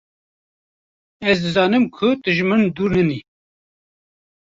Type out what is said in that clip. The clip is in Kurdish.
Ez dizanim ku tu ji min dûr nîn î